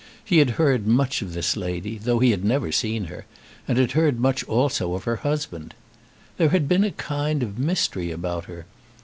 He had heard much of this lady though he had never seen her, and had heard much also of her husband. There had been a kind of mystery about her.